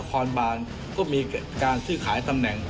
สนุนโดยน้ำดื่มสิง